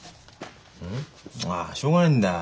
ん？あしょうがないんだよ。